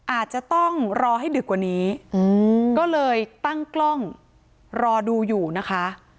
อาจจะต้องรอให้ดึกกว่านี้ก็เลยตั้งกล้องรอดูอยู่นะคะ